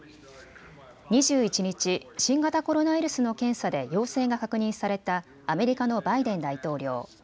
２１日、新型コロナウイルスの検査で陽性が確認されたアメリカのバイデン大統領。